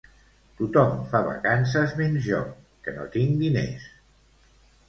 Tothom fa vacances menys jo que no tinc diners